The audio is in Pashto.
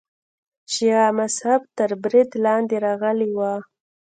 شیعه مذهب تر برید لاندې راغلی و.